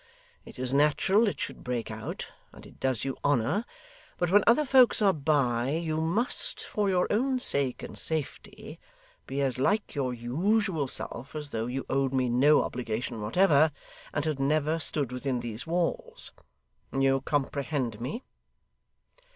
It is natural it should break out, and it does you honour; but when other folks are by, you must, for your own sake and safety, be as like your usual self as though you owed me no obligation whatever, and had never stood within these walls. You comprehend me?